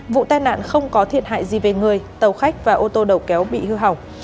vụ tai nạn không có thiệt hại gì về người tàu khách và ô tô đầu kéo bị hư hỏng